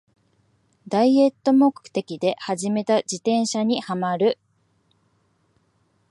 ダイエット目的で始めた自転車にハマる